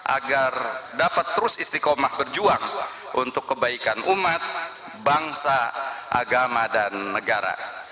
agar dapat terus istiqomah berjuang untuk kebaikan umat bangsa agama dan negara